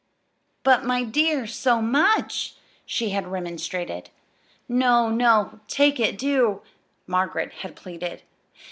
"But, my dear, so much!" she had remonstrated. "No, no take it, do!" Margaret had pleaded.